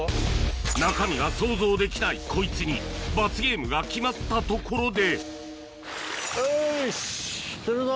中身が想像できないこいつに罰ゲームが決まったところでよし釣るぞ！